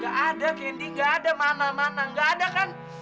gak ada candy gak ada mana mana gak ada kan